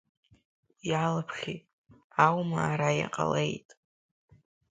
Иалабхи, аума ара иҟалеит.